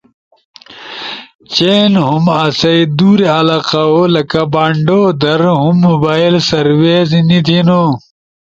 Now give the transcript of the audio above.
۔چین ہم آسئی دورے علاقہ ؤ لکہ بانڈو در ہم موبائل فون سروس نی تھینو۔